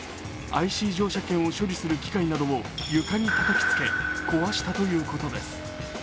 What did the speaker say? ＩＣ乗車券を処理する機械などを床にたたきつけ壊したということです。